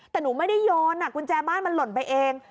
แต่หนูไม่ได้โยนกุญแจบ้านมันหล่นไปเอง